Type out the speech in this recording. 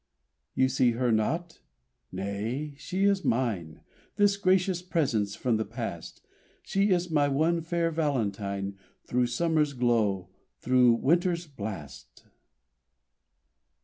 You see her not? Nay, she is mine, This gracious presence from the Past! She is my one fair Valentine Through summer's glow, through winter's blast!